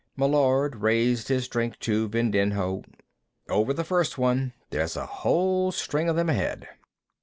Meillard raised his drink to Vindinho. "Over the first one. There's a whole string of them ahead.